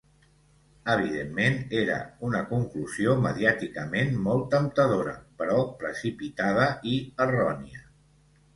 Evidentment, era una conclusió mediàticament molt temptadora, però precipitada i errònia.